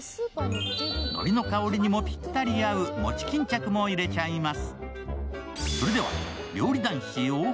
のりの香りにもぴったり合う餅巾着も入れちゃいます。